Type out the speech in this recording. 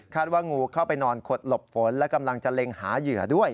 ว่างูเข้าไปนอนขดหลบฝนและกำลังจะเล็งหาเหยื่อด้วย